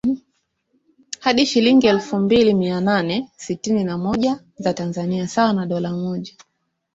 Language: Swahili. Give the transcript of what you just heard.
hadi shilingi elfu mbili mia nane sitini na moja za Tanzania sawa na dola mmoja